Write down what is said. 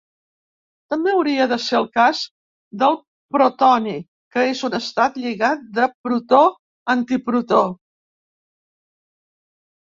També hauria de ser el cas del protoni, que és un estat lligat de protó-antiprotó.